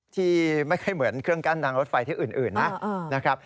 ที่ไม่ค่อยเหมือนเครื่องกั้นทางรถไฟที่อื่นนะครับ